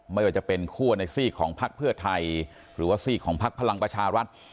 ไม่ว่าจะเป็นคั่วในซีกของพักเพื่อไทยหรือว่าซีกของพักพลังประชารัฐ